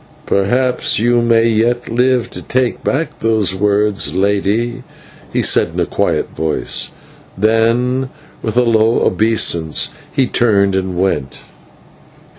"Perhaps you may yet live to take back those words, Lady," he said in a quiet voice; then, with a bow of obeisance, he turned and went.